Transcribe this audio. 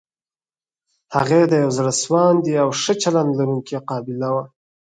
هغې د يوې زړه سواندې او ښه چلند لرونکې قابله وه.